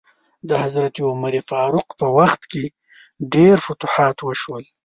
د حضرت عمر فاروق په وخت کې ډیر فتوحات وشول.